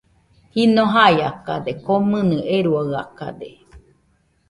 Jɨno baiakade, komɨnɨ eruaiakade.